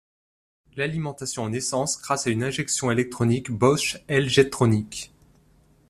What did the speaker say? L'alimentation en essence grâce à une injection électronique Bosch L-Jetronic.